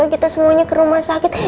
kita semuanya ke rumah sakit